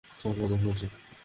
চলো, দেখে আসি!